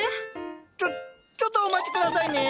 ちょちょっとお待ち下さいね。